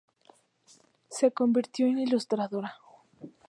Se convirtió en ilustradora.